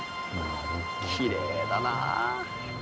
きれいだな。